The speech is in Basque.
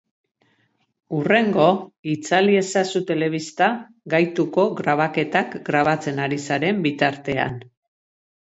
Hurrengo itzali ezazu telebista Gaituko grabaketak grabatzen ari zaren bitartean!